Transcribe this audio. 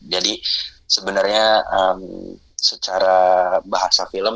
jadi sebenarnya secara bahasa film